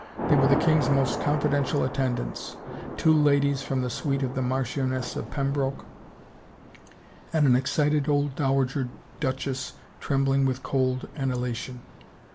They were the 248 THE LAST CARD king's most confidential attendants, two ladies from the suite of the Marchioness of Pembroke, and an excited old dowager duchess trembling with cold and elation.